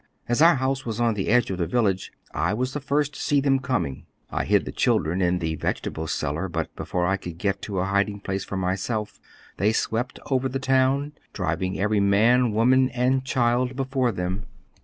As our house was on the edge of the village, I was the first to see them coming. I hid the children in the vegetable cellar, but before I could get to a hiding place for myself, they swept over the town, driving every man, woman, and child before them.